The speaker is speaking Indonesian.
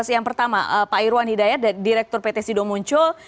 yang pertama pak irwan hidayat direktur pt sido muncul